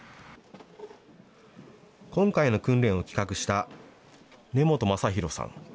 今回の訓練を企画した根本昌宏さん。